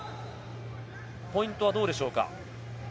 ポイントはどうでしょうか？